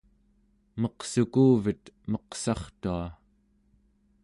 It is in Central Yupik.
meqsukuvet meqsartua